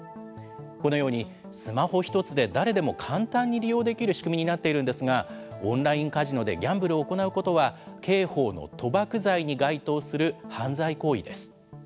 このように、スマホ１つで誰でも簡単に利用できる仕組みになっているんですがオンラインカジノでギャンブルを行うことは刑法の賭博罪に該当する犯罪行為です。